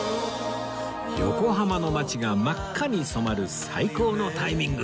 横浜の街が真っ赤に染まる最高のタイミング